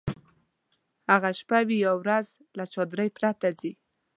هغه شپه وي یا ورځ له چادرۍ پرته ځي.